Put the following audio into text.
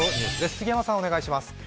杉山さん、お願いします。